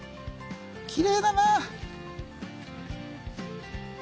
きれいだな！